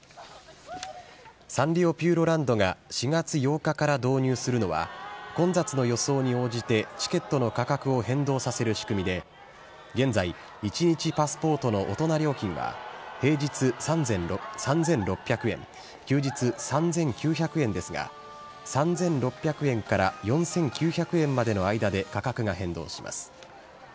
サンリオピューロランドが４月８日から導入するのは、混雑の予想に応じてチケットの価格を変動させる仕組みで、現在、一日パスポートの大人料金は平日３６００円、休日３９００円ですが、３６００円から４９００円までの間で価格が変動します。